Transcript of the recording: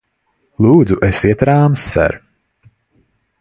Lūdzu, esiet rāms, ser!